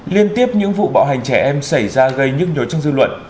liên tiếp những vụ bạo hành trẻ em xảy ra gây những nhớ chân dư luận